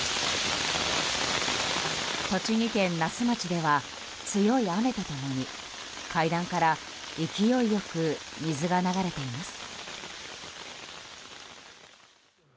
栃木県那須町では強い雨と共に階段から勢いよく水が流れています。